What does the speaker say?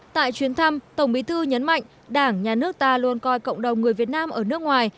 tại chuyến thăm tổng bí thư nhấn mạnh đảng nhà nước ta luôn coi cộng đồng người việt nam ở nước ngoài